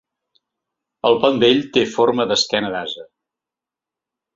El Pont Vell té forma d'esquena d'ase.